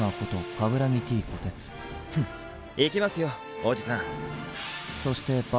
フン行きますよおじさん。